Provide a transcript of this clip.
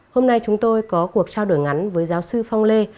hôm nay chúng tôi có cuộc trao đổi ngắn với giáo sư phong lê